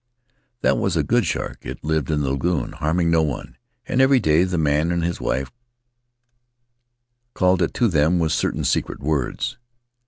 That was a good shark; it lived in the lagoon, harming no one, and every day the man and his wife called it to them with certain secret words.